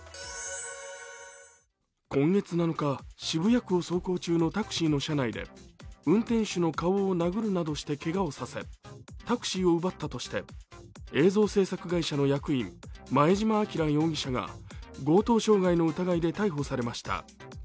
今月７日、渋谷区を走行中のタクシーの車内で運転手の顔を殴るなどしてけがをさせタクシーを奪ったとして映像制作会社の役員、前嶋輝容疑者が強盗傷害の疑いで逮捕されました。